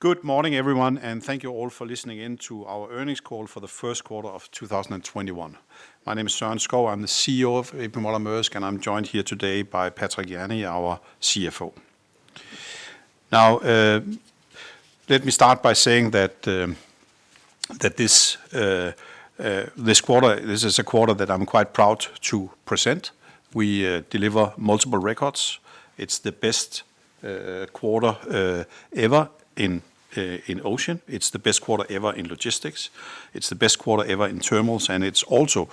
Good morning everyone. Thank you all for listening in to our earnings call for the first quarter of 2021. My name is Søren Skou, I'm the CEO of A.P. Moller-Maersk. I'm joined here today by Patrick Jany, our CFO. Let me start by saying that this is a quarter that I'm quite proud to present. We deliver multiple records. It's the best quarter ever in Ocean. It's the best quarter ever in Logistics. It's the best quarter ever in Terminals. It's also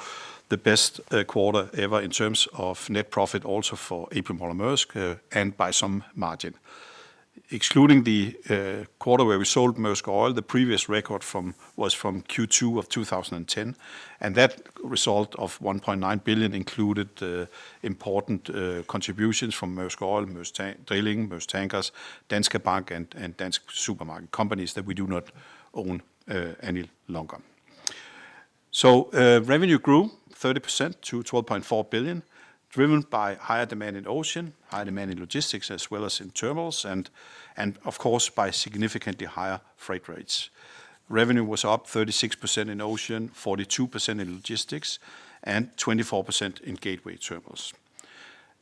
the best quarter ever in terms of net profit also for A.P. Moller-Maersk, by some margin. Excluding the quarter where we sold Maersk Oil, the previous record was from Q2 of 2010. That result of $1.9 billion included important contributions from Maersk Oil, Maersk Drilling, Maersk Tankers, Danske Bank, Dansk Supermarked, companies that we do not own any longer. Revenue grew 30% to $12.4 billion, driven by higher demand in Ocean, higher demand in Logistics as well as in Terminals, of course by significantly higher freight rates. Revenue was up 36% in Ocean, 42% in Logistics, and 24% in Gateway Terminals.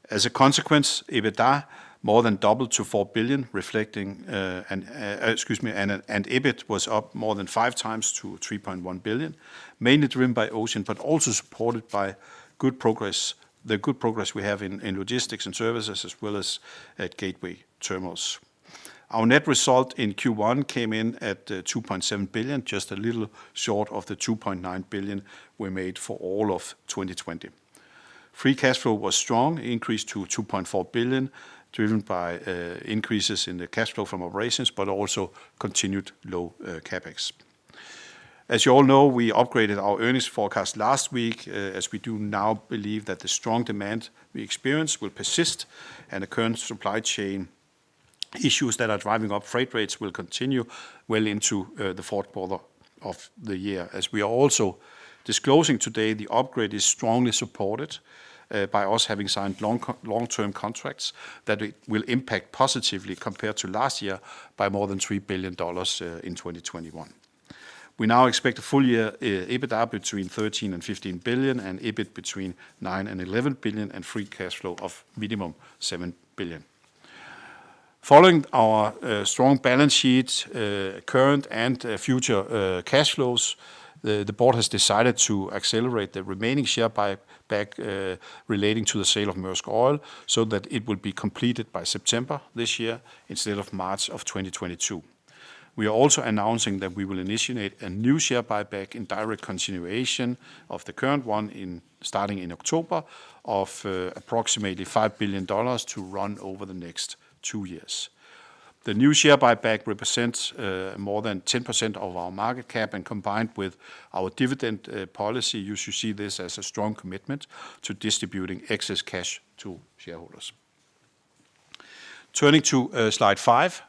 As a consequence, EBITDA more than doubled to $4 billion, and EBIT was up more than five times to $3.1 billion, mainly driven by Ocean, also supported by the good progress we have in Logistics & Services, as well as at Gateway Terminals. Our net result in Q1 came in at $2.7 billion, just a little short of the $2.9 billion we made for all of 2020. Free cash flow was strong, increased to $2.4 billion, driven by increases in the cash flow from operations, also continued low CapEx. As you all know, we upgraded our earnings forecast last week, as we do now believe that the strong demand we experience will persist, and the current supply chain issues that are driving up freight rates will continue well into the fourth quarter of the year. As we are also disclosing today, the upgrade is strongly supported by us having signed long-term contracts that will impact positively, compared to last year, by more than $3 billion in 2021. We now expect a full year EBITDA between $13 billion and $15 billion, and EBIT between $9 billion and $11 billion, and free cash flow of minimum $7 billion. Following our strong balance sheet, current and future cash flows, the board has decided to accelerate the remaining share buyback relating to the sale of Maersk Oil so that it will be completed by September this year instead of March of 2022. We are also announcing that we will initiate a new share buyback in direct continuation of the current one, starting in October, of approximately $5 billion, to run over the next two years. The new share buyback represents more than 10% of our market cap, and combined with our dividend policy, you should see this as a strong commitment to distributing excess cash to shareholders. Turning to slide five.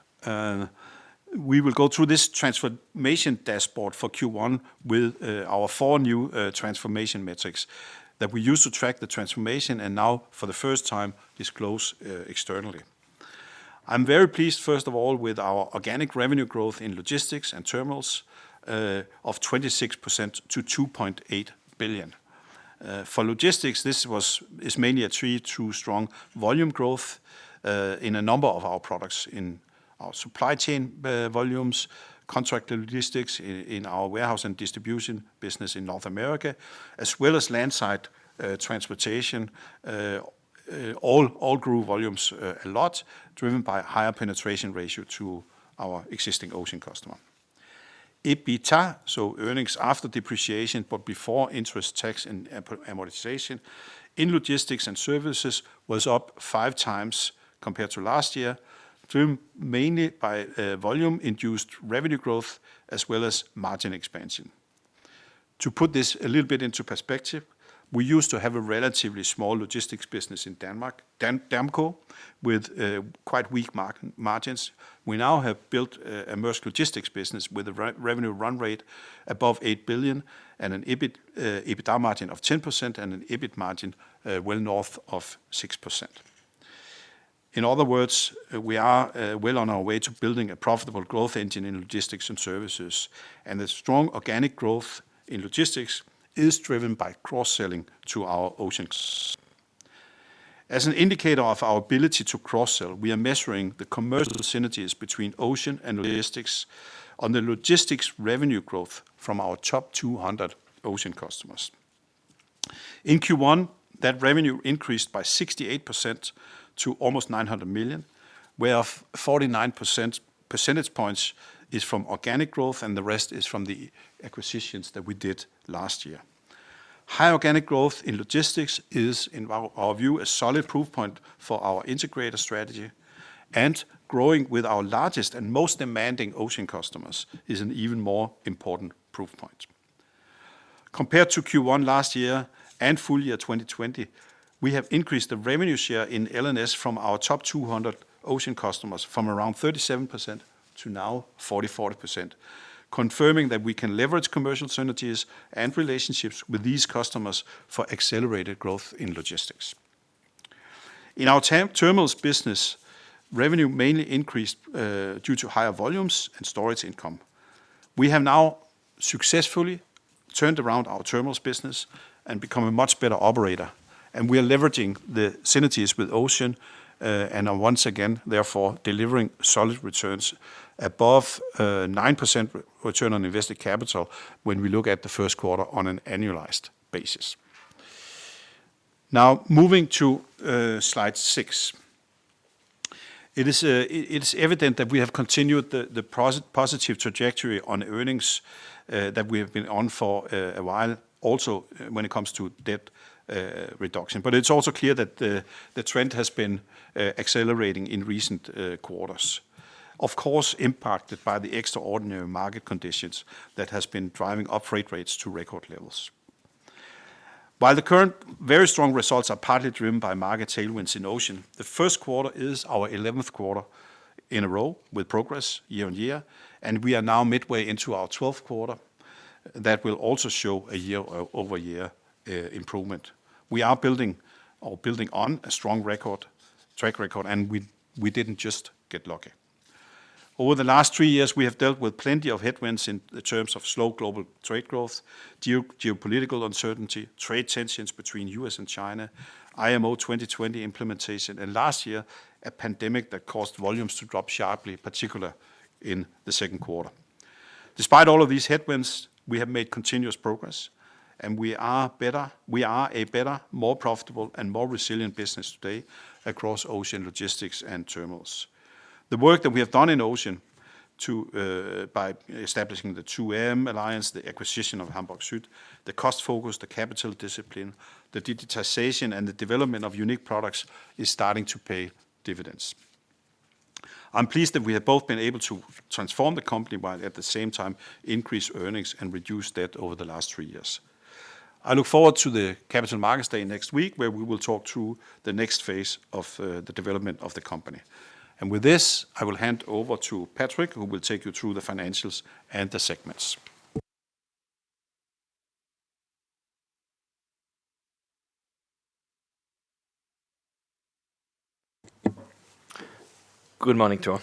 We will go through this transformation dashboard for Q1 with our four new transformation metrics that we use to track the transformation, and now, for the first time, disclose externally. I'm very pleased, first of all, with our organic revenue growth in Logistics and Terminals of 26% to $2.8 billion. For Logistics, this is mainly attributed to strong volume growth in a number of our products, in our supply chain volumes, contract logistics in our warehouse and distribution business in North America, as well as land site transportation. All grew volumes a lot, driven by higher penetration ratio to our existing ocean customer. EBITA, so earnings after depreciation, but before interest, tax, and amortization, in Logistics and Services was up five times compared to last year, driven mainly by volume-induced revenue growth as well as margin expansion. To put this a little bit into perspective, we used to have a relatively small logistics business in Denmark, Damco, with quite weak margins. We now have built a Maersk Logistics business with a revenue run rate above $8 billion and an EBITDA margin of 10% and an EBIT margin well north of 6%. In other words, we are well on our way to building a profitable growth engine in Logistics and Services, and the strong organic growth in Logistics is driven by cross-selling to our Ocean. As an indicator of our ability to cross-sell, we are measuring the commercial synergies between Ocean and Logistics on the Logistics revenue growth from our top 200 Ocean customers. In Q1, that revenue increased by 68% to almost $900 million, where 49 percentage points is from organic growth and the rest is from the acquisitions that we did last year. High organic growth in Logistics is, in our view, a solid proof point for our integrated strategy. Growing with our largest and most demanding Ocean customers is an even more important proof point. Compared to Q1 last year and full year 2020, we have increased the revenue share in L&S from our top 200 Ocean customers from around 37% to now 44%, confirming that we can leverage commercial synergies and relationships with these customers for accelerated growth in Logistics. In our Terminals business, revenue mainly increased due to higher volumes and storage income. We have now successfully turned around our Terminals business and become a much better operator. We are leveraging the synergies with Ocean and are once again, therefore, delivering solid returns above 9% return on invested capital when we look at the first quarter on an annualized basis. Moving to slide six. It is evident that we have continued the positive trajectory on earnings that we have been on for a while, also when it comes to debt reduction. It's also clear that the trend has been accelerating in recent quarters. Of course, impacted by the extraordinary market conditions that has been driving up freight rates to record levels. While the current very strong results are partly driven by market tailwinds in Ocean, the first quarter is our 11th quarter in a row with progress year-on-year, and we are now midway into our 12th quarter that will also show a year-over-year improvement. We are building on a strong track record, and we didn't just get lucky. Over the last three years, we have dealt with plenty of headwinds in terms of slow global trade growth, geopolitical uncertainty, trade tensions between U.S. and China, IMO 2020 implementation, and last year, a pandemic that caused volumes to drop sharply, particularly in the second quarter. Despite all of these headwinds, we have made continuous progress, and we are a better, more profitable, and more resilient business today across Ocean, Logistics, and Terminals. The work that we have done in Ocean by establishing the 2M Alliance, the acquisition of Hamburg Süd, the cost focus, the capital discipline, the digitization, and the development of unique products is starting to pay dividends. I'm pleased that we have both been able to transform the company while at the same time increase earnings and reduce debt over the last three years. I look forward to the Capital Markets Day next week, where we will talk through the next phase of the development of the company. With this, I will hand over to Patrick, who will take you through the financials and the segments. Good morning to all.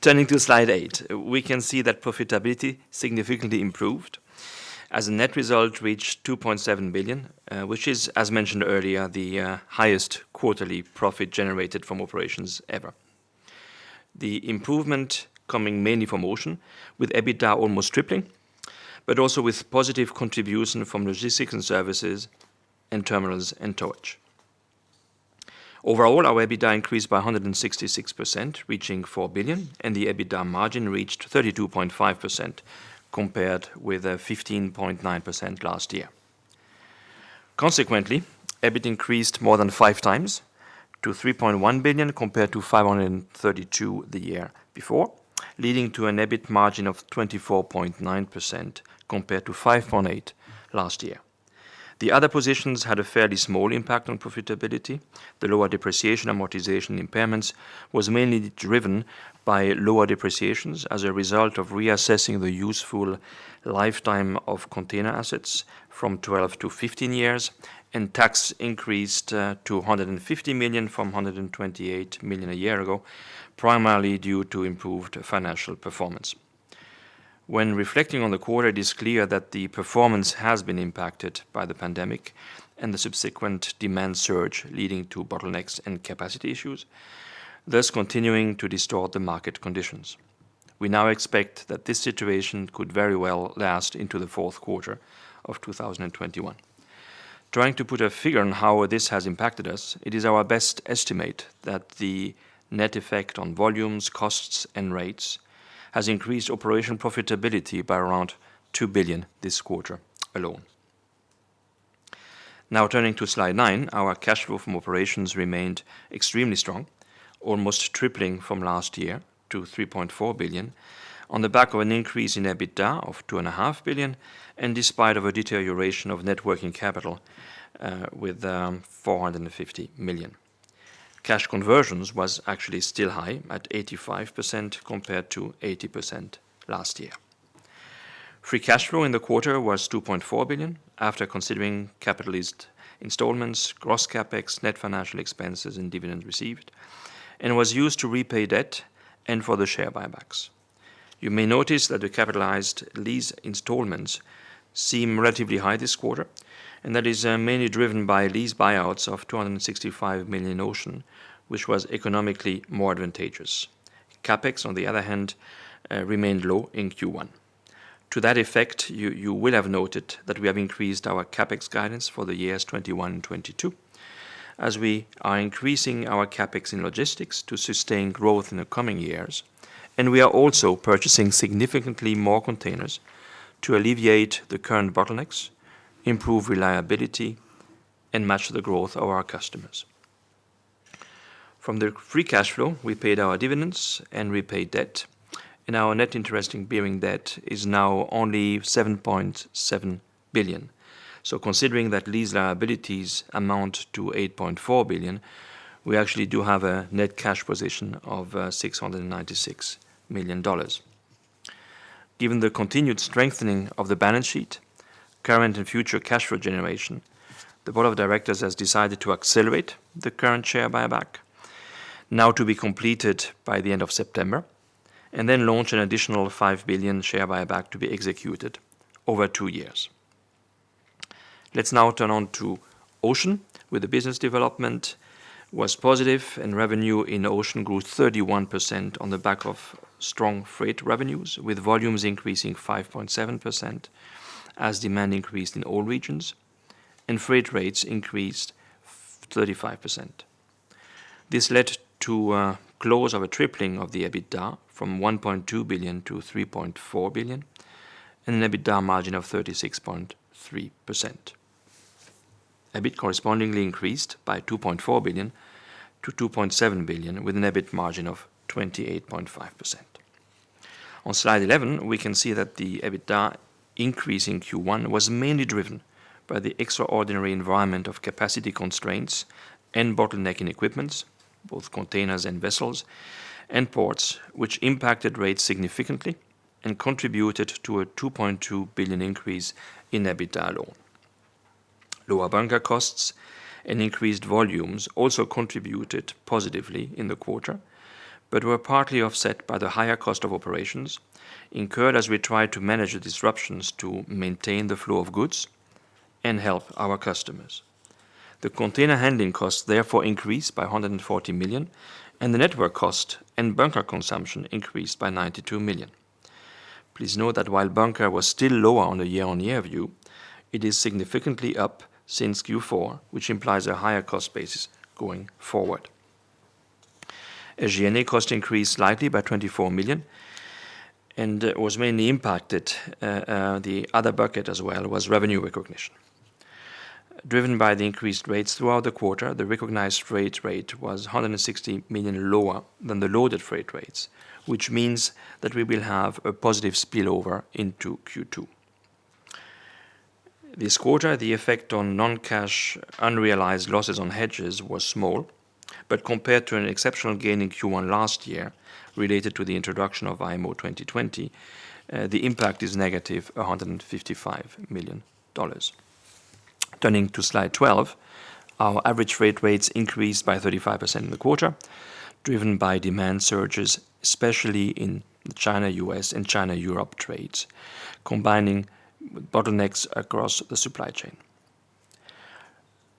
Turning to slide eight, we can see that profitability significantly improved as a net result reached $2.7 billion, which is, as mentioned earlier, the highest quarterly profit generated from operations ever. The improvement coming mainly from Ocean, with EBITDA almost tripling, but also with positive contribution from Logistics & Services, and Terminals and towage. Overall, our EBITDA increased by 166%, reaching $4 billion, and the EBITDA margin reached 32.5%, compared with 15.9% last year. Consequently, EBIT increased more than five times to $3.1 billion compared to $532 the year before, leading to an EBIT margin of 24.9% compared to 5.8% last year. The other positions had a fairly small impact on profitability. The lower depreciation amortization impairments was mainly driven by lower depreciations as a result of reassessing the useful lifetime of container assets from 12-15 years, and tax increased to $150 million from $128 million a year ago, primarily due to improved financial performance. When reflecting on the quarter, it is clear that the performance has been impacted by the pandemic and the subsequent demand surge, leading to bottlenecks and capacity issues, thus continuing to distort the market conditions. We now expect that this situation could very well last into the fourth quarter of 2021. Trying to put a figure on how this has impacted us, it is our best estimate that the net effect on volumes, costs, and rates has increased operation profitability by around $2 billion this quarter alone. Now turning to slide nine, our cash flow from operations remained extremely strong, almost tripling from last year to $3.4 billion on the back of an increase in EBITDA of $2.5 billion and despite of a deterioration of net working capital with $450 million. Cash conversions was actually still high at 85% compared to 80% last year. Free cash flow in the quarter was $2.4 billion after considering capitalized installments, gross CapEx, net financial expenses, and dividends received, and was used to repay debt and for the share buybacks. You may notice that the capitalized lease installments seem relatively high this quarter. That is mainly driven by lease buyouts of $265 million Ocean, which was economically more advantageous. CapEx, on the other hand, remained low in Q1. To that effect, you will have noted that we have increased our CapEx guidance for the years 2021 and 2022, as we are increasing our CapEx in logistics to sustain growth in the coming years, and we are also purchasing significantly more containers to alleviate the current bottlenecks, improve reliability, and match the growth of our customers. From the free cash flow, we paid our dividends and repaid debt, and our net interest in bearing debt is now only $7.7 billion. Considering that lease liabilities amount to $8.4 billion, we actually do have a net cash position of $696 million. Given the continued strengthening of the balance sheet, current and future cash flow generation, the board of directors has decided to accelerate the current share buyback, now to be completed by the end of September, and then launch an additional $5 billion share buyback to be executed over two years. Let's now turn on to Ocean, where the business development was positive and revenue in Ocean grew 31% on the back of strong freight revenues, with volumes increasing 5.7% as demand increased in all regions and freight rates increased 35%. This led to a close of a tripling of the EBITDA from $1.2 billion-$3.4 billion, and an EBITDA margin of 36.3%. EBIT correspondingly increased by $2.4 billion-$2.7 billion, with an EBIT margin of 28.5%. On slide 11, we can see that the EBITDA increase in Q1 was mainly driven by the extraordinary environment of capacity constraints and bottleneck in equipments, both containers and vessels, and ports, which impacted rates significantly and contributed to a $2.2 billion increase in EBITDA alone. Lower bunker costs and increased volumes also contributed positively in the quarter, but were partly offset by the higher cost of operations incurred as we tried to manage the disruptions to maintain the flow of goods and help our customers. The container handling costs therefore increased by $140 million, and the network cost and bunker consumption increased by $92 million. Please note that while bunker was still lower on a year-over-year view, it is significantly up since Q4, which implies a higher cost basis going forward. As G&A cost increased slightly by $24 million and was mainly impacted, the other bucket as well was revenue recognition. Driven by the increased rates throughout the quarter, the recognized freight rate was $160 million lower than the loaded freight rates, which means that we will have a positive spillover into Q2. This quarter, the effect on non-cash unrealized losses on hedges was small, but compared to an exceptional gain in Q1 last year related to the introduction of IMO 2020, the impact is negative $155 million. Turning to slide 12, our average freight rates increased by 35% in the quarter, driven by demand surges, especially in China-U.S. and China-Europe trades, combining with bottlenecks across the supply chain.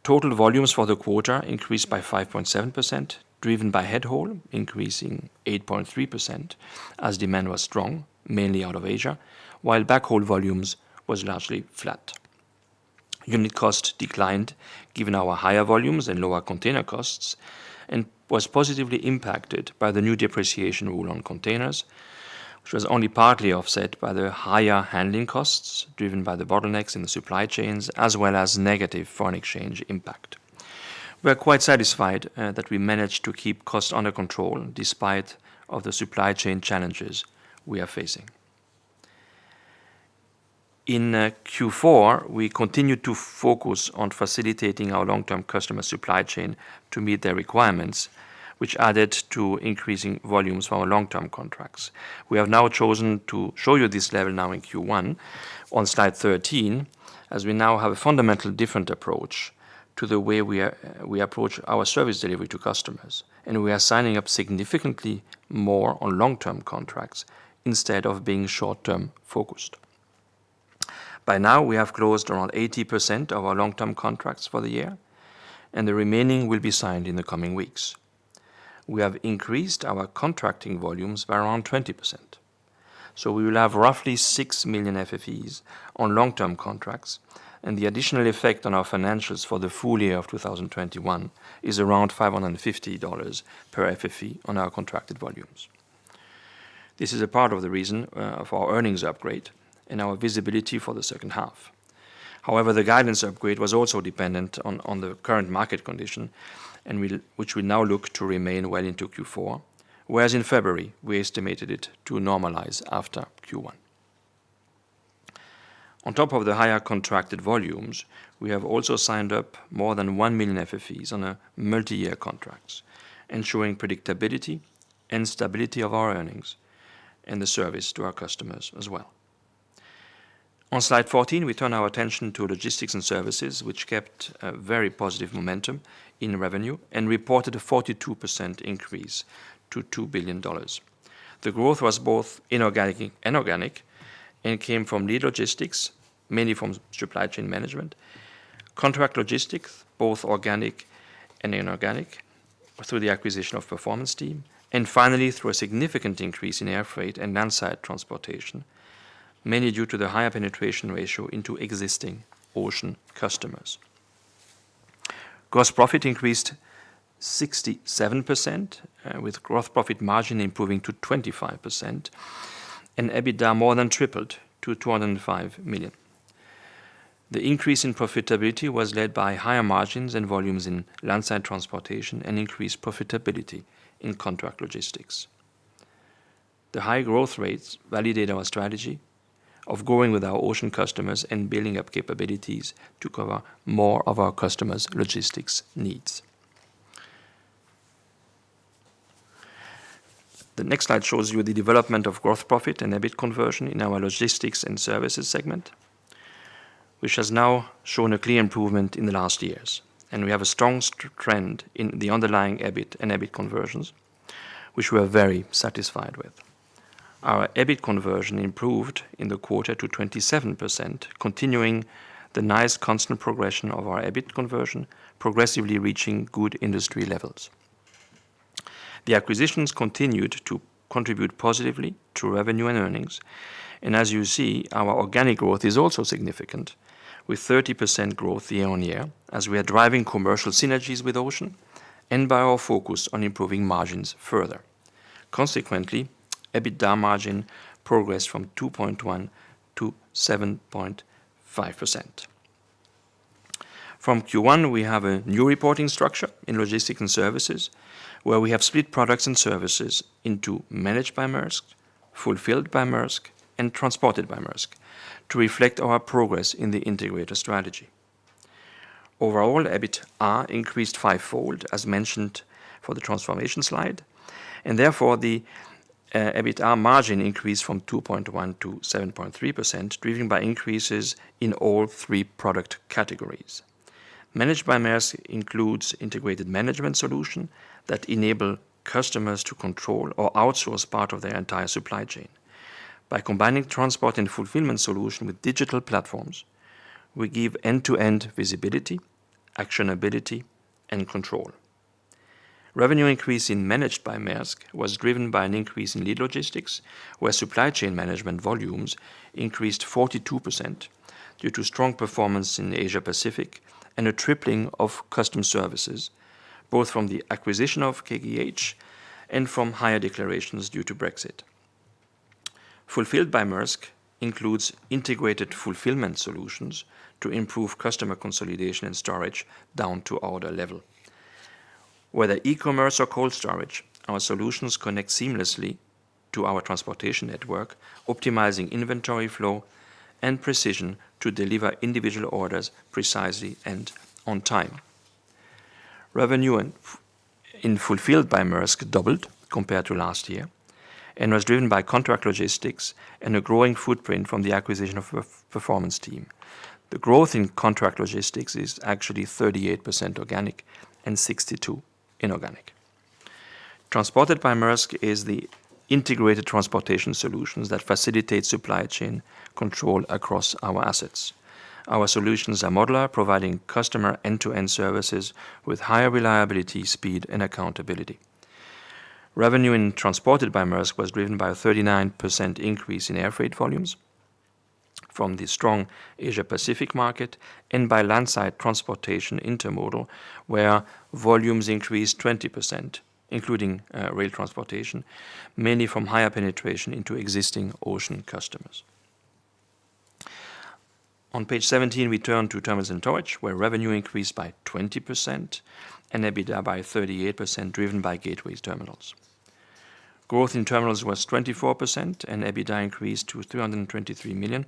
Total volumes for the quarter increased by 5.7%, driven by head haul increasing 8.3% as demand was strong, mainly out of Asia, while back haul volumes was largely flat. Unit cost declined given our higher volumes and lower container costs, and was positively impacted by the new depreciation rule on containers, which was only partly offset by the higher handling costs driven by the bottlenecks in the supply chains, as well as negative foreign exchange impact. We are quite satisfied that we managed to keep costs under control despite of the supply chain challenges we are facing. In Q4, we continued to focus on facilitating our long-term customer supply chain to meet their requirements, which added to increasing volumes for our long-term contracts. We have now chosen to show you this level now in Q1 on slide 13, as we now have a fundamental different approach to the way we approach our service delivery to customers, and we are signing up significantly more on long-term contracts instead of being short-term focused. By now, we have closed around 80% of our long-term contracts for the year, and the remaining will be signed in the coming weeks. We have increased our contracting volumes by around 20%. We will have roughly 6 million FFEs on long-term contracts, and the additional effect on our financials for the full year of 2021 is around $550 per FFE on our contracted volumes. This is a part of the reason for our earnings upgrade and our visibility for the second half. The guidance upgrade was also dependent on the current market condition, which we now look to remain well into Q4, whereas in February, we estimated it to normalize after Q1. On top of the higher contracted volumes, we have also signed up more than 1 million FFEs on a multi-year contracts, ensuring predictability and stability of our earnings, and the service to our customers as well. On slide 14, we turn our attention to Logistics & Services, which kept a very positive momentum in revenue and reported a 42% increase to $2 billion. The growth was both inorganic and organic and came from lead logistics, mainly from supply chain management, contract logistics, both organic and inorganic, through the acquisition of Performance Team, and finally, through a significant increase in air freight and landside transportation, mainly due to the higher penetration ratio into existing ocean customers. Gross profit increased 67%, with gross profit margin improving to 25%, and EBITDA more than tripled to $205 million. The increase in profitability was led by higher margins and volumes in landside transportation and increased profitability in contract logistics. The high growth rates validate our strategy of growing with our ocean customers and building up capabilities to cover more of our customers' logistics needs. The next slide shows you the development of gross profit and EBIT conversion in our Logistics & Services segment, which has now shown a clear improvement in the last years. We have a strong trend in the underlying EBIT and EBIT conversions, which we are very satisfied with. Our EBIT conversion improved in the quarter to 27%, continuing the nice constant progression of our EBIT conversion, progressively reaching good industry levels. The acquisitions continued to contribute positively to revenue and earnings. As you see, our organic growth is also significant, with 30% growth year-over-year as we are driving commercial synergies with Ocean and by our focus on improving margins further. Consequently, EBITDA margin progressed from 2.1%-7.5%. From Q1, we have a new reporting structure in Logistics & Services, where we have split products and services into Managed by Maersk, Fulfilled by Maersk, and Transported by Maersk to reflect our progress in the integrated strategy. Overall, EBIT increased fivefold, as mentioned for the transformation slide, and therefore the EBITDA margin increased from 2.1%-7.3%, driven by increases in all three product categories. Managed by Maersk includes integrated management solution that enable customers to control or outsource part of their entire supply chain. By combining transport and fulfillment solution with digital platforms, we give end-to-end visibility, actionability, and control. Revenue increase in Managed by Maersk was driven by an increase in lead logistics, where supply chain management volumes increased 42% due to strong performance in Asia Pacific and a tripling of custom services, both from the acquisition of KGH and from higher declarations due to Brexit. Fulfilled by Maersk includes integrated fulfillment solutions to improve customer consolidation and storage down to order level. Whether e-commerce or cold storage, our solutions connect seamlessly to our transportation network, optimizing inventory flow and precision to deliver individual orders precisely and on time. Revenue in Fulfilled by Maersk doubled compared to last year and was driven by contract logistics and a growing footprint from the acquisition of Performance Team. The growth in contract logistics is actually 38% organic and 62% inorganic. Transported by Maersk is the integrated transportation solutions that facilitate supply chain control across our assets. Our solutions are modular, providing customer end-to-end services with higher reliability, speed, and accountability. Revenue in Transported by Maersk was driven by a 39% increase in air freight volumes from the strong Asia Pacific market and by landside transportation intermodal, where volumes increased 20%, including rail transportation, mainly from higher penetration into existing Ocean customers. On page 17, we turn to Terminals and Towage, where revenue increased by 20% and EBITDA by 38%, driven by gateways terminals. Growth in Terminals was 24%, EBITDA increased to $323 million,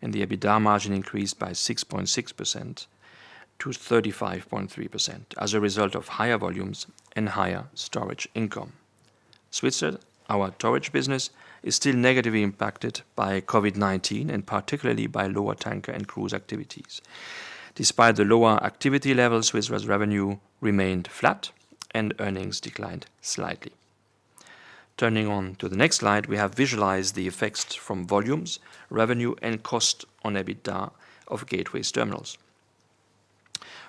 and the EBITDA margin increased by 6.6%-35.3% as a result of higher volumes and higher storage income. Svitzer, our towage business, is still negatively impacted by COVID-19, particularly by lower tanker and cruise activities. Despite the lower activity levels, Svitzer's revenue remained flat, and earnings declined slightly. Turning on to the next slide, we have visualized the effects from volumes, revenue, and cost on EBITDA of gateways terminals.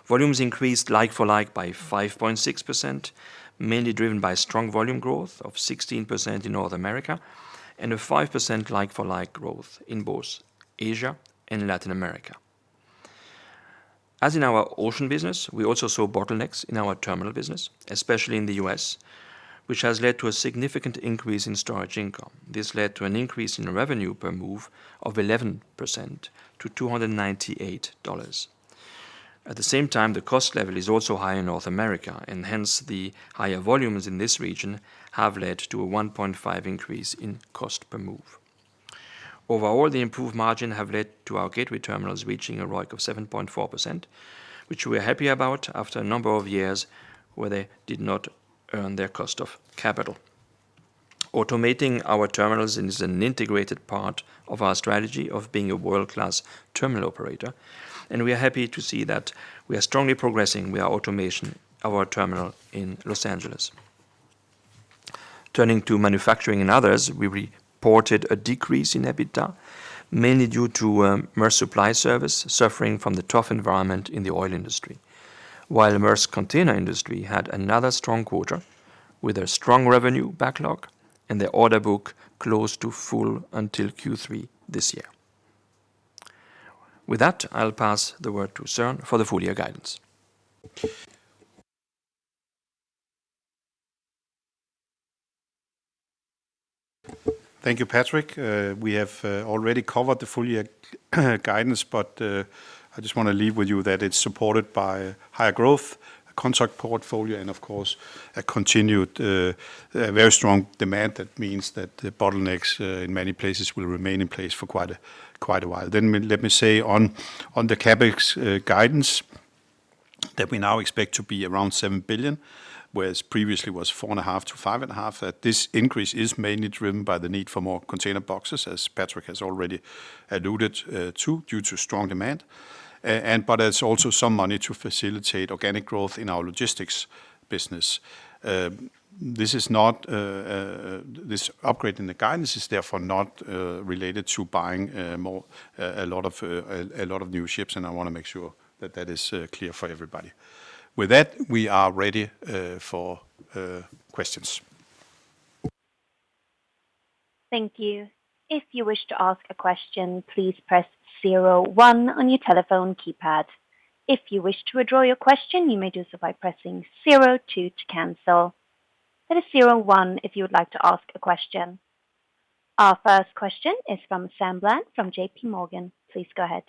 Volumes increased like-for-like by 5.6%, mainly driven by strong volume growth of 16% in North America and a 5% like-for-like growth in both Asia and Latin America. As in our Ocean business, we also saw bottlenecks in our Terminals business, especially in the U.S., which has led to a significant increase in storage income. This led to an increase in revenue per move of 11% to DKK 298. At the same time, the cost level is also high in North America, and hence, the higher volumes in this region have led to a 1.5 increase in cost per move. Overall, the improved margins have led to our gateway Terminals reaching a ROIC of 7.4%, which we are happy about after a number of years where they did not earn their cost of capital. Automating our Terminals is an integrated part of our strategy of being a world-class Terminals operator, and we are happy to see that we are strongly progressing with our automation of our Terminal in Los Angeles. Turning to manufacturing and others, we reported a decrease in EBITDA, mainly due to Maersk Supply Service suffering from the tough environment in the oil industry. While Maersk Container Industry had another strong quarter with a strong revenue backlog and their order book close to full until Q3 this year. With that, I'll pass the word to Søren for the full year guidance. Thank you, Patrick. We have already covered the full year guidance, I just want to leave with you that it's supported by higher growth, a contract portfolio, and of course, a continued very strong demand. That means that the bottlenecks in many places will remain in place for quite a while. Let me say on the CapEx guidance that we now expect to be around $7 billion, whereas previously was $4.5 billion-$5.5 billion. This increase is mainly driven by the need for more container boxes, as Patrick has already alluded to, due to strong demand. There's also some money to facilitate organic growth in our logistics business. This upgrade in the guidance is therefore not related to buying a lot of new ships, I want to make sure that that is clear for everybody. With that, we are ready for questions. Our first question is from Sam Bland from JPMorgan. Please go ahead.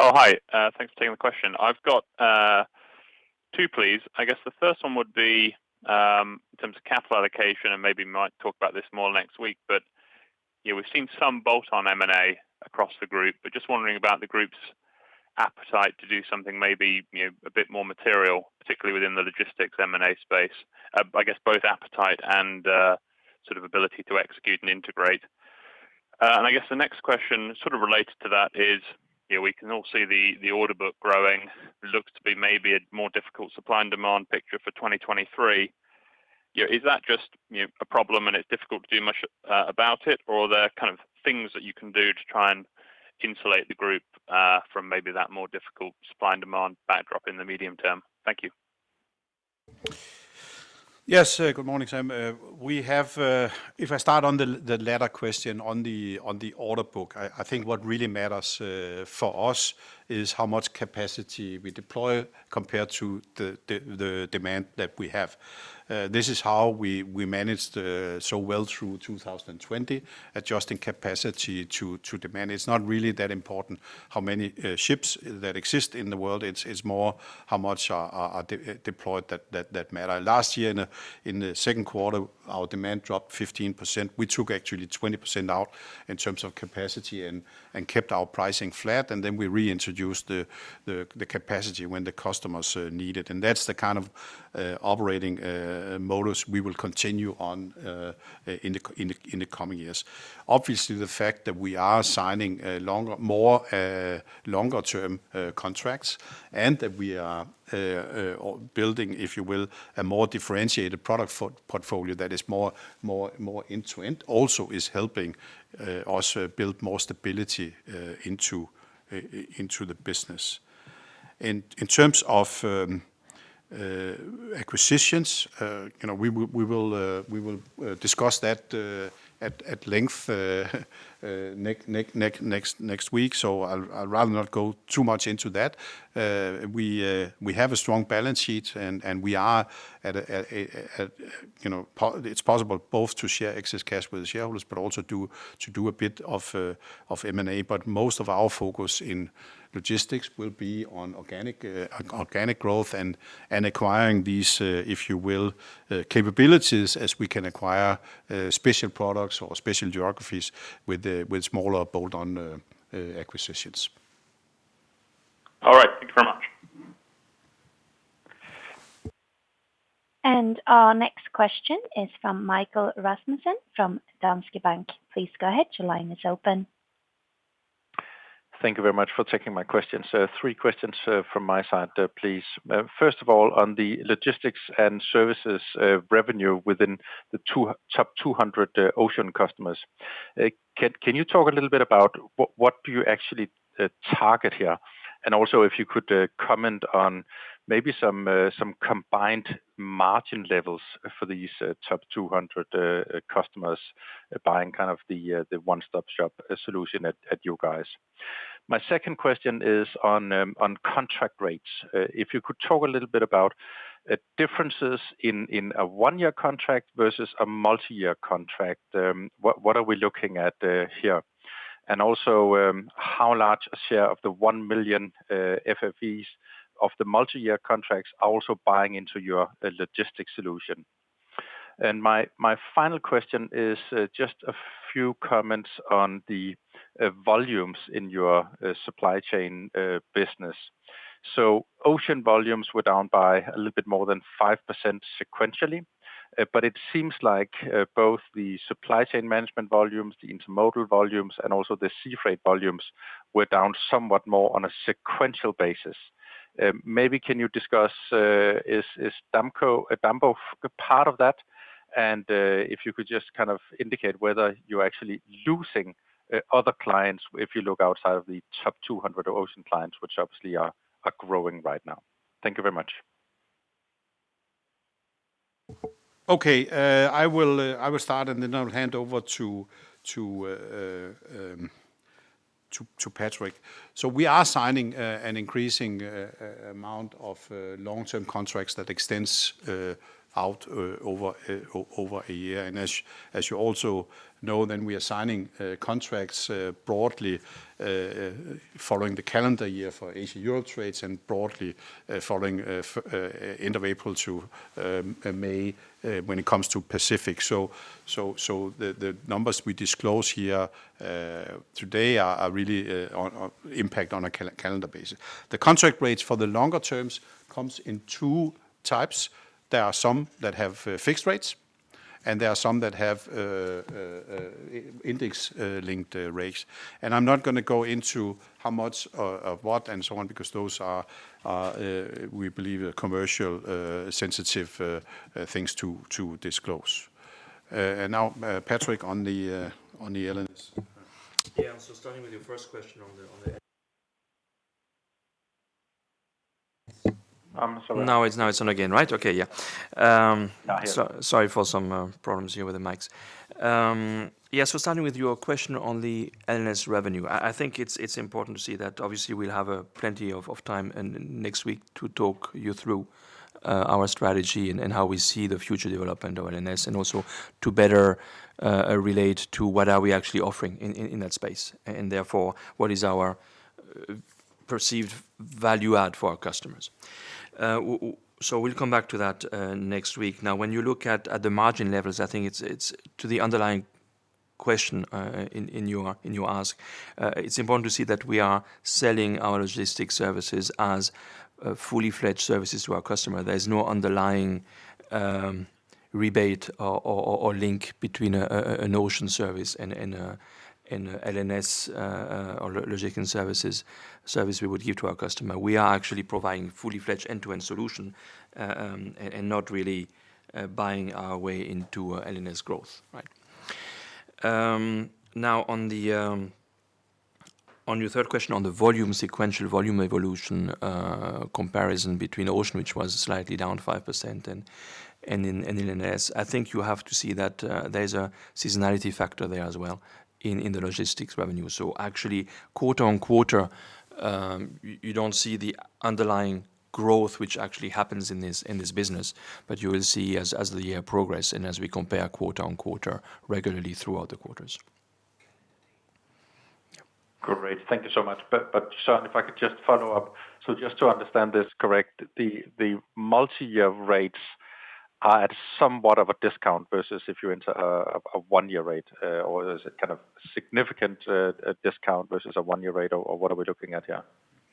Oh, hi. Thanks for taking the question. I've got two, please. I guess the first one would be in terms of capital allocation, and maybe might talk about this more next week, but we've seen some bolt-on M&A across the group, but just wondering about the group's appetite to do something maybe a bit more material, particularly within the logistics M&A space. I guess both appetite and sort of ability to execute and integrate. I guess the next question sort of related to that is, we can all see the order book growing. Looks to be maybe a more difficult supply and demand picture for 2023. Is that just a problem and it's difficult to do much about it, or are there things that you can do to try and insulate the group from maybe that more difficult supply and demand backdrop in the medium term? Thank you. Yes. Good morning, Sam. If I start on the latter question on the order book, I think what really matters for us is how much capacity we deploy compared to the demand that we have. This is how we managed so well through 2020, adjusting capacity to demand. It's not really that important how many ships that exist in the world. It's more how much are deployed that matter. Last year in the second quarter, our demand dropped 15%. We took actually 20% out in terms of capacity and kept our pricing flat, and then we reintroduced the capacity when the customers need it. That's the kind of operating modus we will continue on in the coming years. Obviously, the fact that we are signing more longer-term contracts and that we are building, if you will, a more differentiated product portfolio that is more end-to-end also is helping us build more stability into the business. In terms of acquisitions, we will discuss that at length next week, so I'd rather not go too much into that. We have a strong balance sheet, and it's possible both to share excess cash with the shareholders, but also to do a bit of M&A. But most of our focus in logistics will be on organic growth and acquiring these, if you will, capabilities as we can acquire special products or special geographies with smaller bolt-on acquisitions. All right. Thank you very much. Our next question is from Michael Rasmussen from Danske Bank. Please go ahead, your line is open. Thank you very much for taking my question. Three questions from my side, please. First of all, on the Logistics & Services revenue within the top 200 ocean customers, can you talk a little bit about what do you actually target here? Also, if you could comment on maybe some combined margin levels for these top 200 customers buying the one-stop shop solution at you guys. My second question is on contract rates. If you could talk a little bit about differences in a one-year contract versus a multi-year contract. What are we looking at here? Also, how large a share of the 1 million FFEs of the multi-year contracts are also buying into your logistics solution? My final question is just a few comments on the volumes in your supply chain business. Ocean volumes were down by a little bit more than 5% sequentially, but it seems like both the supply chain management volumes, the intermodal volumes, and also the sea freight volumes were down somewhat more on a sequential basis. Maybe can you discuss, is Damco a part of that? If you could just kind of indicate whether you're actually losing other clients if you look outside of the top 200 ocean clients, which obviously are growing right now. Thank you very much. Okay. I will start, then I'll hand over to Patrick. We are signing an increasing amount of long-term contracts that extends out over a year. As you also know, we are signing contracts broadly following the calendar year for Asia-Euro trades and broadly following end of April to May when it comes to Pacific. The numbers we disclose here today are really impact on a calendar basis. The contract rates for the longer terms comes in two types. There are some that have fixed rates and there are some that have index-linked rates. I'm not going to go into how much of what and so on, because those are, we believe, commercial sensitive things to disclose. Now, Patrick, on the L&S. Yeah. Starting with your first question. Now it's on again, right? Okay, yeah. Now I hear. Sorry for some problems here with the mics. Starting with your question on the L&S revenue, I think it's important to see that obviously we'll have plenty of time next week to talk you through our strategy and how we see the future development of L&S and also to better relate to what are we actually offering in that space, and therefore, what is our perceived value add for our customers. We'll come back to that next week. When you look at the margin levels, I think it's to the underlying question in your ask. It's important to see that we are selling our logistics services as fully-fledged services to our customer. There is no underlying rebate or link between an ocean service and a L&S or logistics service we would give to our customer. We are actually providing fully-fledged end-to-end solution, and not really buying our way into L&S growth. Right. On your third question on the volume sequential, volume evolution comparison between Ocean, which was slightly down 5% and in L&S. I think you have to see that there's a seasonality factor there as well in the logistics revenue. Actually quarter-on-quarter, you don't see the underlying growth which actually happens in this business. You will see as the year progress and as we compare quarter-on-quarter regularly throughout the quarters. Great. Thank you so much. Søren, if I could just follow up, just to understand this correct, the multi-year rates are at somewhat of a discount versus if you enter a one-year rate or is it kind of significant discount versus a one-year rate, or what are we looking at here?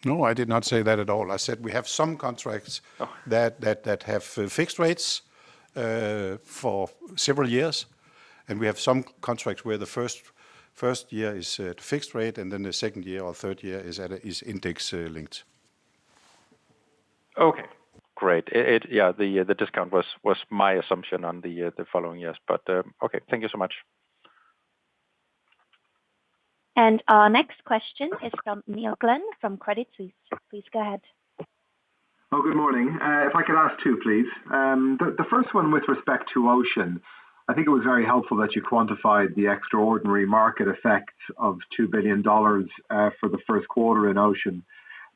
No, I did not say that at all. I said we have some contracts that have fixed rates for several years, and we have some contracts where the first year is at a fixed rate, and then the second year or third year is index linked. Okay, great. Yeah, the discount was my assumption on the following years, but okay. Thank you so much. Our next question is from Neil Glynn from Credit Suisse. Please go ahead. Good morning. If I could ask two, please. The first one with respect to Ocean. I think it was very helpful that you quantified the extraordinary market effect of $2 billion for the first quarter in Ocean.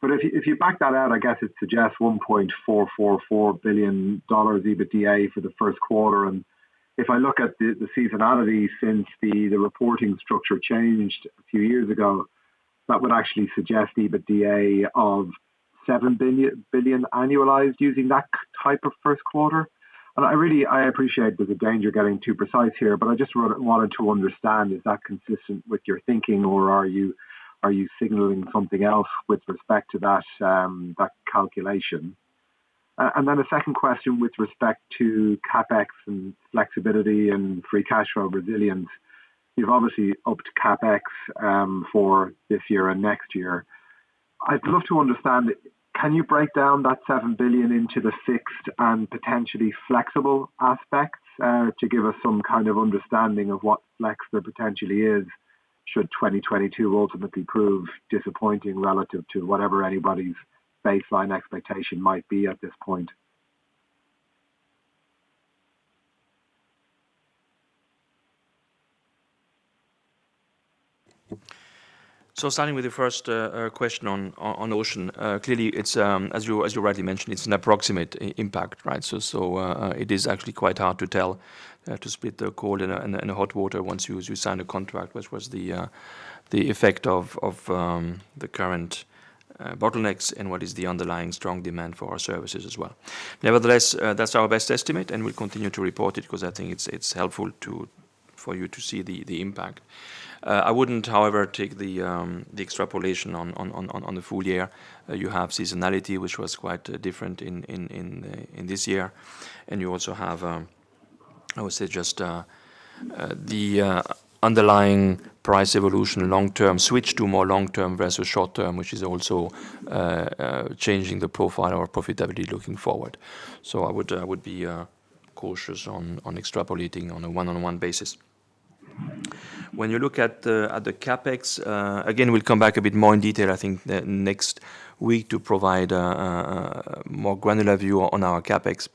If you back that out, I guess it suggests $1.444 billion EBITDA for the first quarter. If I look at the seasonality since the reporting structure changed a few years ago, that would actually suggest EBITDA of $7 billion annualized using that type of first quarter. I appreciate there's a danger getting too precise here, I just wanted to understand, is that consistent with your thinking or are you signaling something else with respect to that calculation? A second question with respect to CapEx and flexibility and free cash flow resilience. You've obviously upped CapEx for this year and next year. I'd love to understand, can you break down that $7 billion into the fixed and potentially flexible aspects to give us some kind of understanding of what flex there potentially is, should 2022 ultimately prove disappointing relative to whatever anybody's baseline expectation might be at this point? Starting with your first question on Ocean. Clearly it's, as you rightly mentioned, it's an approximate impact, right? It is actually quite hard to tell to split the cold and the hot water once you sign a contract. Which was the effect of the current bottlenecks and what is the underlying strong demand for our services as well. Nevertheless, that's our best estimate, and we'll continue to report it because I think it's helpful for you to see the impact. I wouldn't, however, take the extrapolation on the full year. You have seasonality, which was quite different in this year, and you also have, I would say just the underlying price evolution long-term switch to more long-term versus short-term, which is also changing the profile of our profitability looking forward. I would be cautious on extrapolating on a one-on-one basis. When you look at the CapEx, again, we'll come back a bit more in detail, I think, next week to provide a more granular view on our CapEx.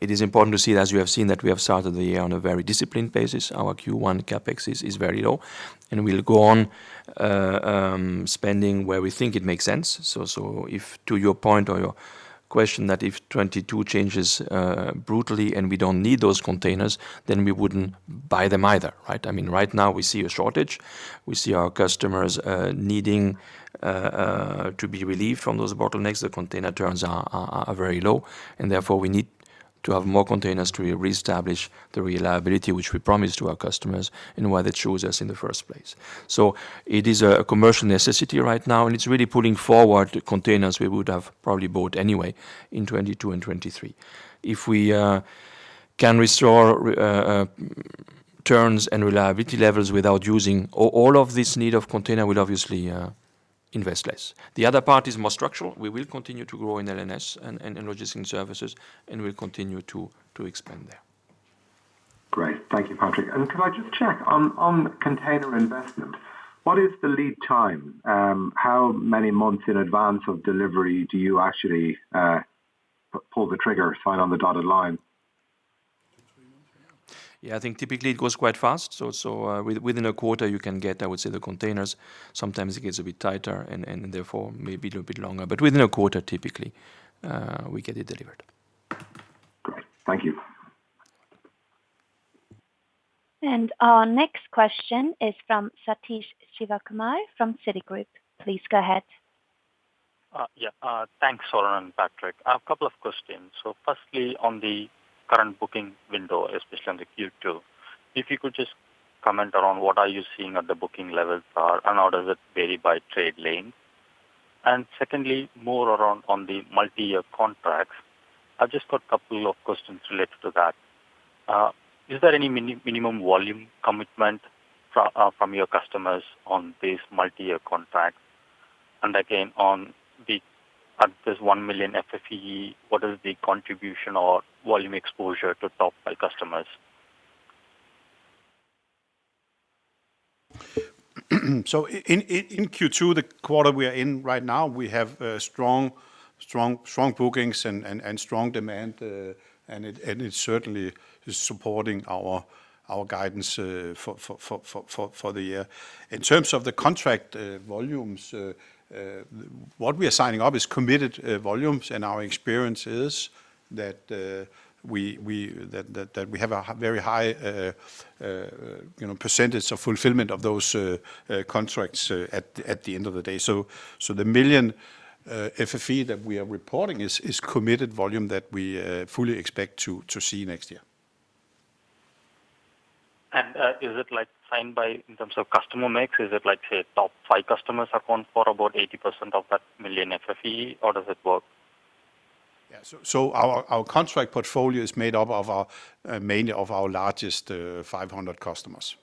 It is important to see it, as you have seen, that we have started the year on a very disciplined basis. Our Q1 CapEx is very low, and we'll go on spending where we think it makes sense. To your point or your question that if 2022 changes brutally and we don't need those containers, then we wouldn't buy them either. Right now we see a shortage. We see our customers needing to be relieved from those bottlenecks. The container turns are very low and therefore we need to have more containers to reestablish the reliability which we promise to our customers and why they choose us in the first place. It is a commercial necessity right now, and it's really pulling forward the containers we would have probably bought anyway in 2022 and 2023. If we can restore turns and reliability levels without using all of this need of container, we'll obviously invest less. The other part is more structural. We will continue to grow in L&S and in Logistics & Services, and we'll continue to expand there. Great. Thank you, Patrick. Could I just check on container investment, what is the lead time? How many months in advance of delivery do you actually pull the trigger, sign on the dotted line? Yeah, I think typically it goes quite fast. Within a quarter you can get, I would say, the containers. Sometimes it gets a bit tighter and therefore maybe a little bit longer, but within a quarter, typically, we get it delivered. Great. Thank you. Our next question is from Sathish Sivakumar from Citigroup. Please go ahead. Yeah. Thanks, Søren and Patrick. A couple of questions. Firstly, on the current booking window, especially on the Q2, if you could just comment around what are you seeing at the booking levels are and how does it vary by trade lane. Secondly, more around on the multi-year contracts. I've just got a couple of questions related to that. Is there any minimum volume commitment from your customers on these multi-year contracts? Again, on this 1 million FFE, what is the contribution or volume exposure to top customers? In Q2, the quarter we are in right now, we have strong bookings and strong demand. It certainly is supporting our guidance for the year. In terms of the contract volumes, what we are signing up is committed volumes. Our experience is that we have a very high percentage of fulfillment of those contracts at the end of the day. The 1 million FFE that we are reporting is committed volume that we fully expect to see next year. Is it signed by, in terms of customer mix, is it like, say, top five customers account for about 80% of that 1 million FFE or how does it work? Yeah. Our contract portfolio is made up mainly of our largest 500 customers.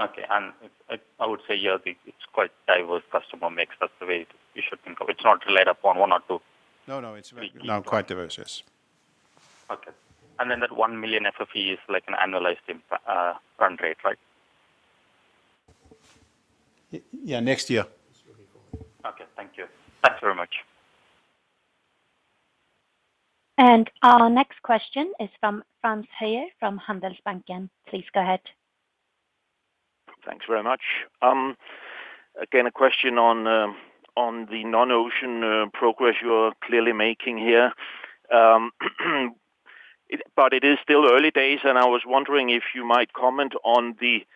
Okay. I would say here, it's quite diverse customer mix. That's the way you should think of it. It's not relied upon one or two. No, no, it's quite diverse. Yes. Okay. That 1 million FFE is like an annualized run rate, right? Yeah, next year. Okay, thank you. Thanks very much. Our next question is from Frans Hoyer from Handelsbanken. Please go ahead. Thanks very much. Again, a question on the non-ocean progress you are clearly making here. It is still early days, and I was wondering if you might comment on the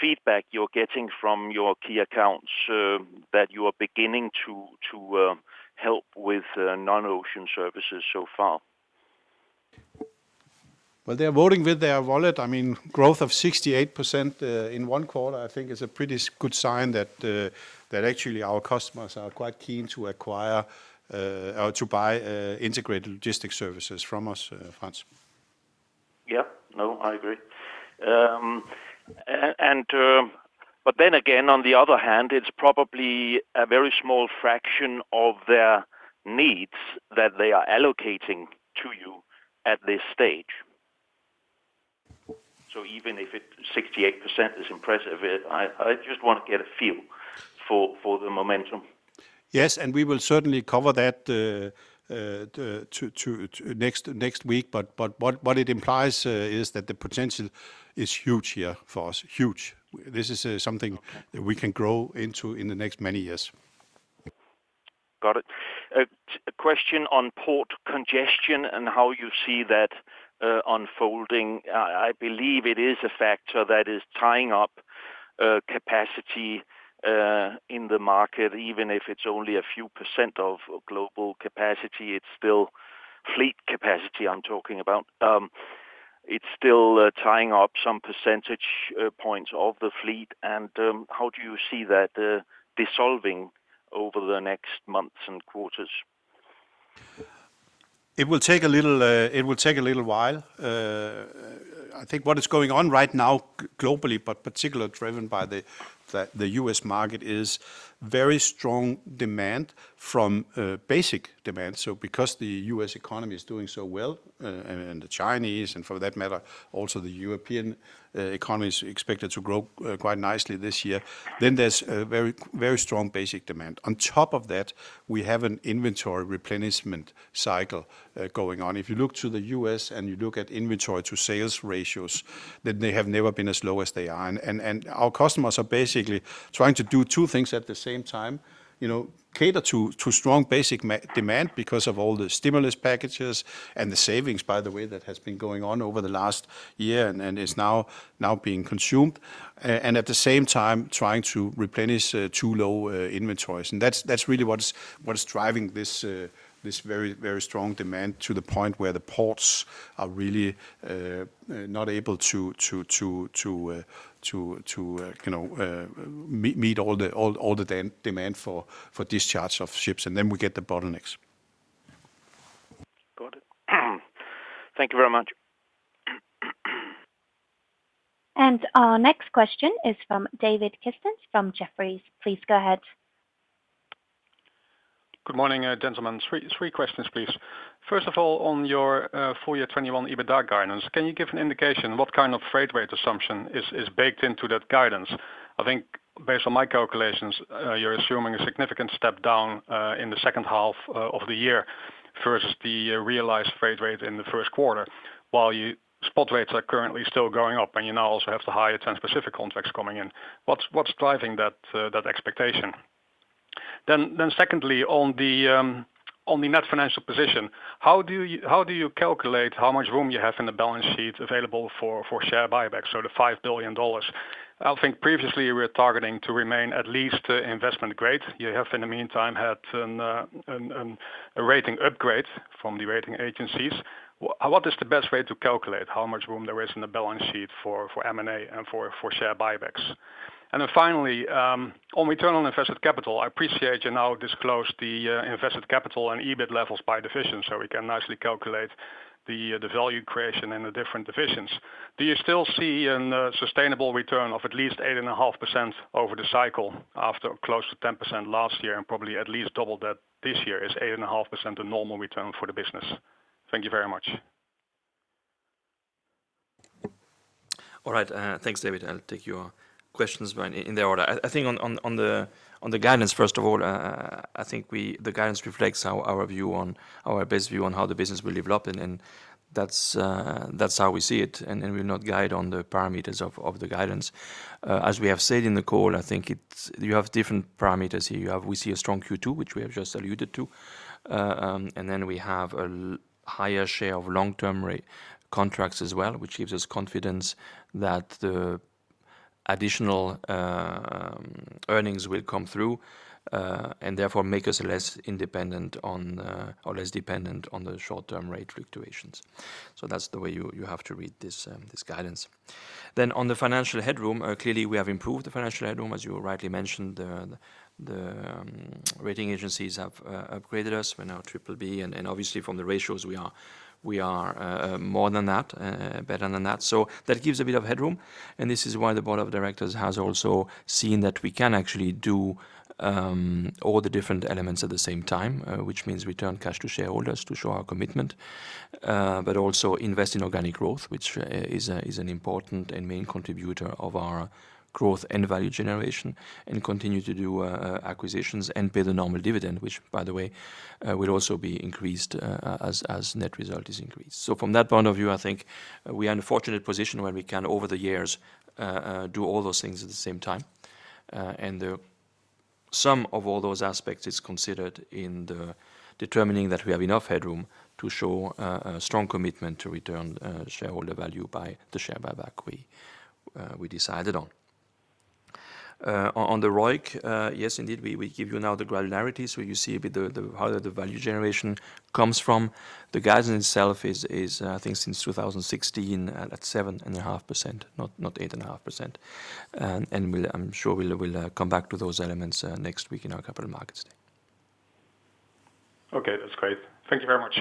feedback you're getting from your key accounts that you are beginning to help with non-ocean services so far. Well, they're voting with their wallet. Growth of 68% in one quarter, I think, is a pretty good sign that actually our customers are quite keen to acquire or to buy integrated logistic services from us, Frans. Yeah. No, I agree. Again, on the other hand, it is probably a very small fraction of their needs that they are allocating to you at this stage. Even if 68% is impressive, I just want to get a feel for the momentum. Yes, we will certainly cover that next week. What it implies is that the potential is huge here for us. Huge. This is something that we can grow into in the next many years. Got it. A question on port congestion and how you see that unfolding. I believe it is a factor that is tying up capacity in the market, even if it's only a few % of global capacity, it's still fleet capacity I'm talking about. It's still tying up some percentage points of the fleet. How do you see that dissolving over the next months and quarters? It will take a little while. I think what is going on right now globally, but particularly driven by the U.S. market, is very strong demand from basic demand. Because the U.S. economy is doing so well, and the Chinese, and for that matter, also the European economy is expected to grow quite nicely this year, there's a very strong basic demand. On top of that, we have an inventory replenishment cycle going on. If you look to the U.S. and you look at inventory to sales ratios, then they have never been as low as they are. Our customers are basically trying to do two things at the same time. Cater to strong basic demand because of all the stimulus packages and the savings, by the way, that has been going on over the last year and is now being consumed. At the same time trying to replenish too low inventories. That's really what is driving this very strong demand to the point where the ports are really not able to meet all the demand for discharge of ships, and then we get the bottlenecks. Got it. Thank you very much. Our next question is from David Kerstens from Jefferies. Please go ahead. Good morning, gentlemen. Three questions, please. First of all, on your full year 2021 EBITDA guidance, can you give an indication what kind of freight rate assumption is baked into that guidance? I think based on my calculations, you're assuming a significant step down in the second half of the year versus the realized freight rate in the first quarter, while your spot rates are currently still going up and you now also have the higher transpacific contracts coming in. What's driving that expectation? Secondly, on the net financial position, how do you calculate how much room you have in the balance sheet available for share buybacks, so the $5 billion? I think previously we were targeting to remain at least investment grade. You have, in the meantime, had a rating upgrade from the rating agencies. What is the best way to calculate how much room there is in the balance sheet for M&A and for share buybacks? Finally, on return on invested capital, I appreciate you now disclose the invested capital and EBIT levels by division, so we can nicely calculate the value creation in the different divisions. Do you still see a sustainable return of at least 8.5% over the cycle after close to 10% last year and probably at least double that this year? Is 8.5% a normal return for the business? Thank you very much. All right. Thanks, David. I'll take your questions in the order. I think on the guidance, first of all, I think the guidance reflects our best view on how the business will develop and that's how we see it. We'll not guide on the parameters of the guidance. As we have said in the call, I think you have different parameters here. We see a strong Q2, which we have just alluded to. We have a higher share of long-term rate contracts as well, which gives us confidence that the additional earnings will come through, and therefore make us less dependent on the short-term rate fluctuations. That's the way you have to read this guidance. On the financial headroom, clearly we have improved the financial headroom, as you rightly mentioned. The rating agencies have upgraded us. We're now BBB. Obviously from the ratios we are more than that, better than that. That gives a bit of headroom. This is why the board of directors has also seen that we can actually do all the different elements at the same time, which means return cash to shareholders to show our commitment. Also invest in organic growth, which is an important and main contributor of our growth and value generation. Continue to do acquisitions and pay the normal dividend, which, by the way, will also be increased as net result is increased. From that point of view, I think we are in a fortunate position where we can, over the years, do all those things at the same time. The sum of all those aspects is considered in determining that we have enough headroom to show a strong commitment to return shareholder value by the share buyback we decided on. On the ROIC, yes, indeed, we give you now the granularity so you see a bit how the value generation comes from. The guidance itself is, I think since 2016, at 7.5%, not 8.5%. I'm sure we'll come back to those elements next week in our capital markets day. Okay, that's great. Thank you very much.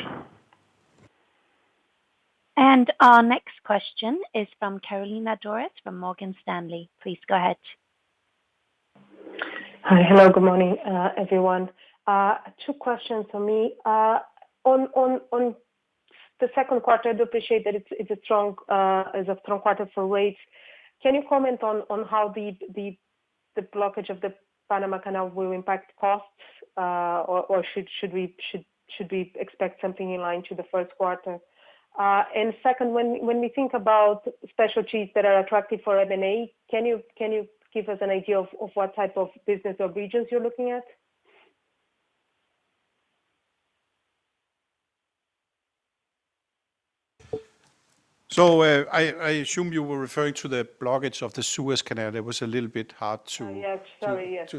Our next question is from Carolina Dores from Morgan Stanley. Please go ahead. Hi. Hello, good morning, everyone. Two questions from me. On the second quarter, I do appreciate that it's a strong quarter for rates. Can you comment on how the blockage of the Suez Canal will impact costs? Should we expect something in line to the first quarter? Second, when we think about specialties that are attractive for M&A, can you give us an idea of what type of business or regions you're looking at? I assume you were referring to the blockage of the Suez Canal. Yes. Sorry. Yes.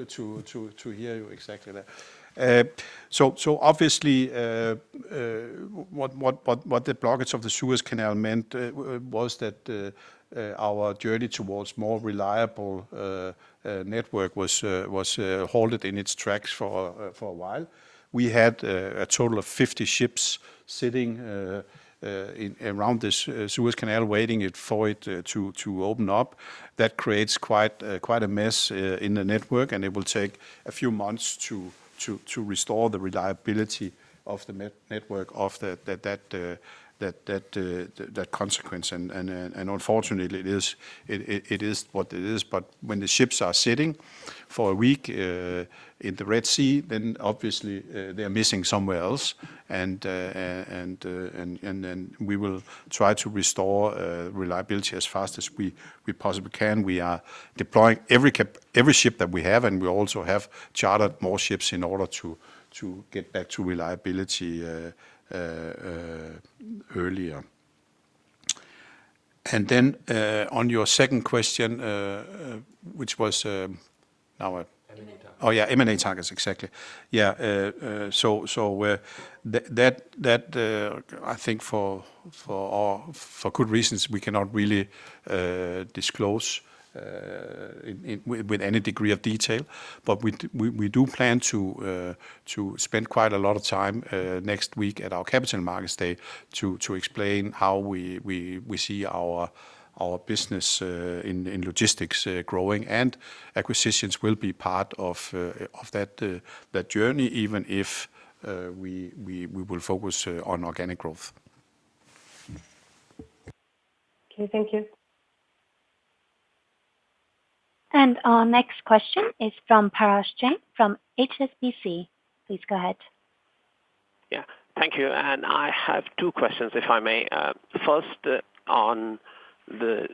To hear you exactly there. Obviously, what the blockage of the Suez Canal meant was that our journey towards more reliable network was halted in its tracks for a while. We had a total of 50 ships sitting around the Suez Canal waiting for it to open up. That creates quite a mess in the network, it will take a few months to restore the reliability of the network of that consequence. Unfortunately, it is what it is, when the ships are sitting for a week in the Red Sea, obviously, they're missing somewhere else. We will try to restore reliability as fast as we possibly can. We are deploying every ship that we have, we also have chartered more ships in order to get back to reliability earlier. On your second question, which was now what? M&A targets. M&A targets. Exactly. That, I think for good reasons, we cannot really disclose with any degree of detail, but we do plan to spend quite a lot of time next week at our Capital Markets Day to explain how we see our business in logistics growing. Acquisitions will be part of that journey, even if we will focus on organic growth. Okay. Thank you. Our next question is from Parash Jain from HSBC. Please go ahead. Yeah. Thank you. I have two questions, if I may. First, on the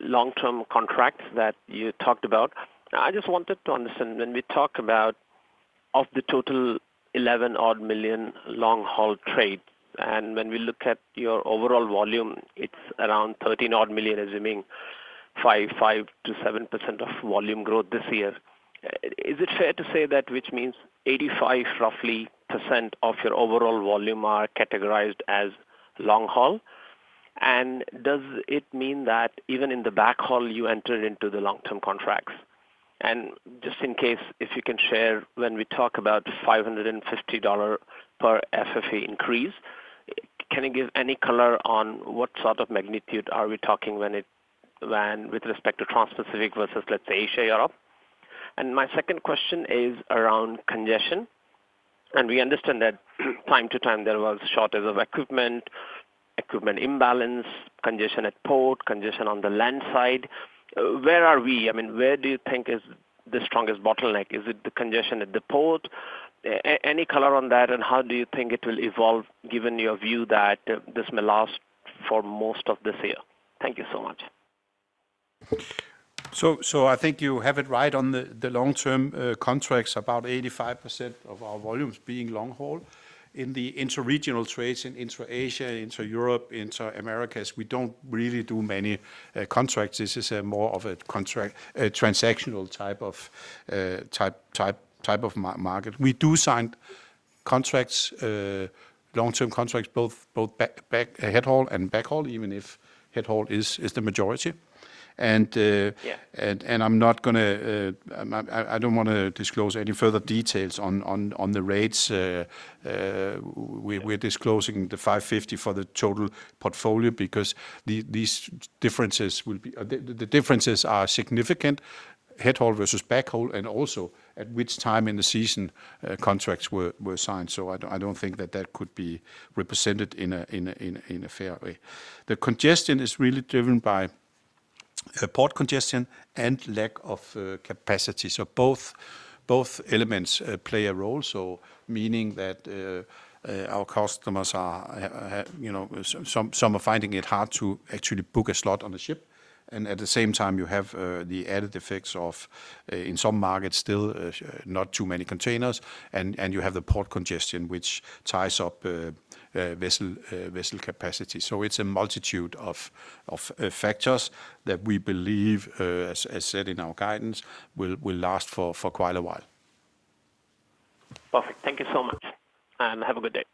long-term contracts that you talked about. I just wanted to understand, when we talk about of the total 11 odd million long-haul trade, and when we look at your overall volume, it's around 13 odd million, assuming 5%-7% of volume growth this year. Is it fair to say that which means 85%, roughly, of your overall volume are categorized as long haul? Does it mean that even in the backhaul, you enter into the long-term contracts? Just in case, if you can share, when we talk about $550 per FFE increase, can you give any color on what sort of magnitude are we talking when with respect to transpacific versus, let's say, Asia or Europe? My second question is around congestion. We understand that time to time, there was shortage of equipment imbalance, congestion at port, congestion on the land side. Where are we? Where do you think is the strongest bottleneck? Is it the congestion at the port? Any color on that, and how do you think it will evolve given your view that this may last for most of this year? Thank you so much. I think you have it right on the long-term contracts, about 85% of our volumes being long haul. In the intraregional trades, in Intra-Asia, Intra-Europe, Inter-Americas, we don't really do many contracts. This is more of a transactional type of market. We do sign long-term contracts, both head haul and back haul, even if head haul is the majority. Yeah. I don't want to disclose any further details on the rates. We're disclosing the 550 for the total portfolio because the differences are significant, head haul versus back haul, and also at which time in the season contracts were signed. I don't think that that could be represented in a fair way. The congestion is really driven by port congestion and lack of capacity. Both elements play a role, so meaning that our customers, some are finding it hard to actually book a slot on a ship. At the same time, you have the added effects of, in some markets, still not too many containers. You have the port congestion, which ties up vessel capacity. It's a multitude of factors that we believe, as said in our guidance, will last for quite a while. Perfect. Thank you so much, and have a good day.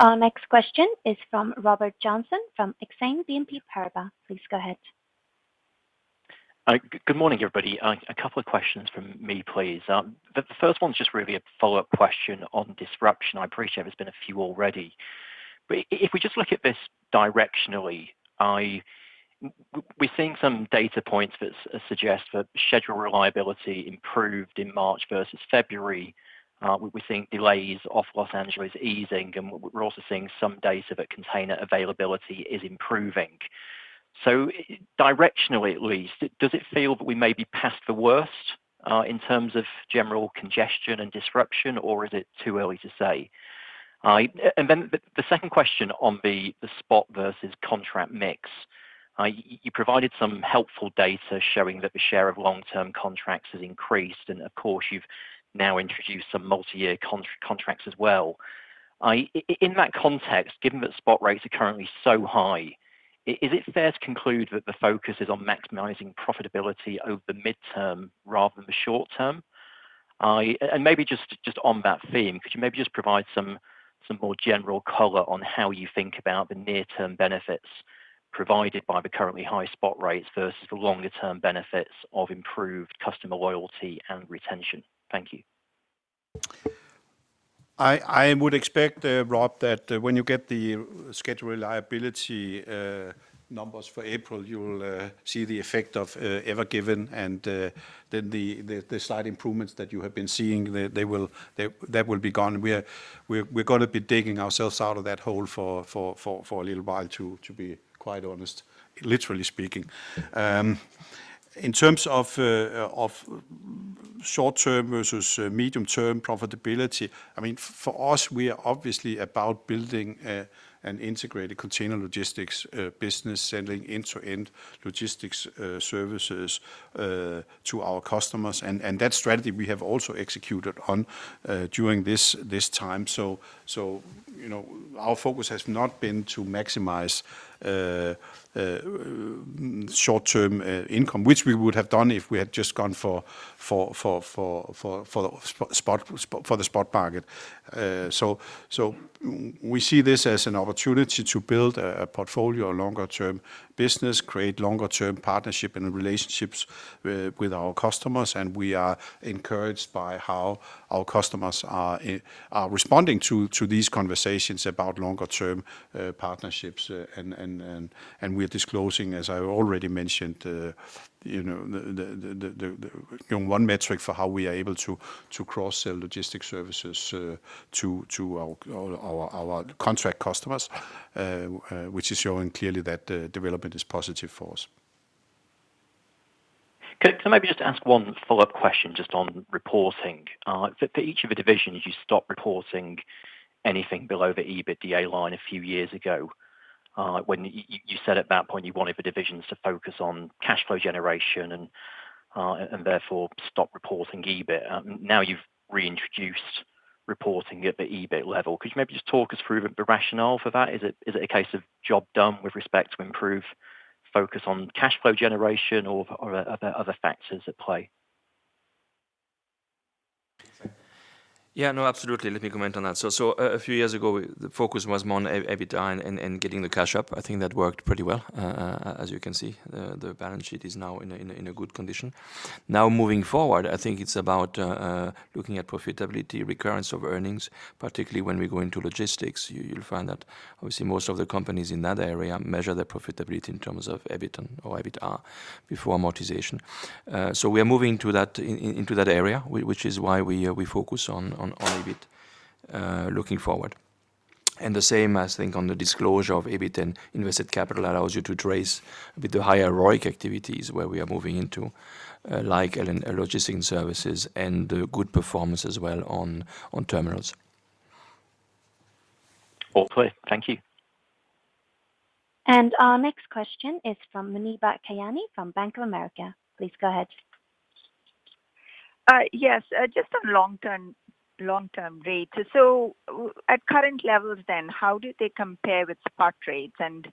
Our next question is from Robert Johnson from Exane BNP Paribas. Please go ahead. Good morning, everybody. A couple of questions from me, please. The first one's just really a follow-up question on disruption. I appreciate there's been a few already. If we just look at this directionally, we're seeing some data points that suggest that schedule reliability improved in March versus February. We're seeing delays off Los Angeles easing, and we're also seeing some data that container availability is improving. Directionally, at least, does it feel that we may be past the worst in terms of general congestion and disruption, or is it too early to say? Then the second question on the spot versus contract mix. You provided some helpful data showing that the share of long-term contracts has increased, and of course, you've now introduced some multi-year contracts as well. In that context, given that spot rates are currently so high, is it fair to conclude that the focus is on maximizing profitability over the midterm rather than the short term? Maybe just on that theme, could you maybe just provide some more general color on how you think about the near-term benefits provided by the currently high spot rates versus the longer-term benefits of improved customer loyalty and retention? Thank you. I would expect, Rob, that when you get the schedule reliability numbers for April, you will see the effect of Ever Given and then the slight improvements that you have been seeing, that will be gone. We're going to be digging ourselves out of that hole for a little while, to be quite honest, literally speaking. In terms of short-term versus medium-term profitability, for us, we are obviously about building an integrated container logistics business, selling end-to-end logistics services to our customers. That strategy we have also executed on during this time. Our focus has not been to maximize short-term income, which we would have done if we had just gone for the spot market. We see this as an opportunity to build a portfolio, a longer-term business, create longer-term partnership and relationships with our customers. We are encouraged by how our customers are responding to these conversations about longer-term partnerships. We are disclosing, as I already mentioned, one metric for how we are able to cross-sell logistic services to our contract customers, which is showing clearly that the development is positive for us. Can I maybe just ask one follow-up question just on reporting? For each of the divisions, you stopped reporting anything below the EBITDA line a few years ago, when you said at that point you wanted the divisions to focus on cash flow generation and therefore stopped reporting EBIT. Now you've reintroduced reporting at the EBIT level. Could you maybe just talk us through the rationale for that? Is it a case of job done with respect to improved focus on cash flow generation, or are there other factors at play? Yeah, no, absolutely. Let me comment on that. A few years ago, the focus was more on EBITDA and getting the cash up. I think that worked pretty well. As you can see, the balance sheet is now in a good condition. Moving forward, I think it's about looking at profitability, recurrence of earnings, particularly when we go into Logistics. You'll find that obviously most of the companies in that area measure their profitability in terms of EBIT and/or EBITDA before amortization. We are moving into that area, which is why we focus on EBIT looking forward. The same, I think, on the disclosure of EBIT and invested capital allows you to trace a bit the higher ROIC activities where we are moving into, like Logistics & Services and the good performance as well on Terminals. All clear. Thank you. Our next question is from Muneeba Kayani from Bank of America. Please go ahead. Yes. Just on long-term rates. At current levels then, how do they compare with spot rates, and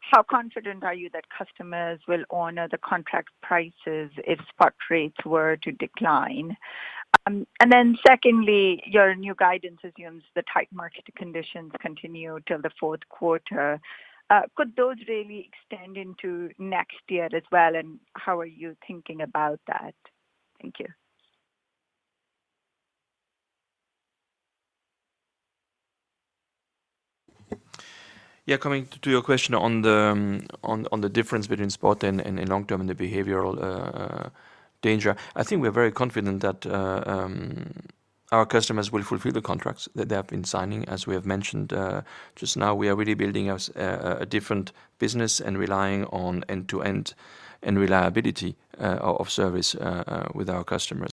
how confident are you that customers will honor the contract prices if spot rates were to decline? Secondly, your new guidance assumes the tight market conditions continue till the fourth quarter. Could those really extend into next year as well, and how are you thinking about that? Thank you. Yeah. Coming to your question on the difference between spot and long term and the behavioral danger, I think we're very confident that our customers will fulfill the contracts that they have been signing. As we have mentioned just now, we are really building a different business and relying on end-to-end and reliability of service with our customers.